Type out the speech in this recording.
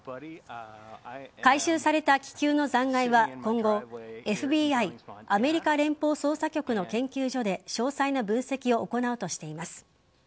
回収された気球の残骸は今後ＦＢＩ＝アメリカ連邦捜査局の研究所で詳細な分析を行うとしています。